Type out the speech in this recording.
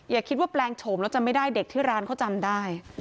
อย่าคิดว่าแปลงโฉมแล้วจำไม่ได้เด็กที่ร้านเขาจำได้